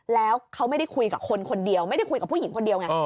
แล้วเขาไม่ได้คุยกับคนคนเดียวไม่ได้คุยกับผู้หญิงคนเดียวไง